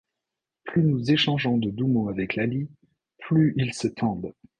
Plus nous échangeons de doux mots avec Laly, plus ils se tendent.